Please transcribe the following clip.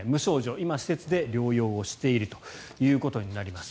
今、施設で療養しているということになります。